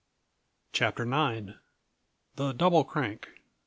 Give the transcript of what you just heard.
CHAPTER IX. _The "Double Crank."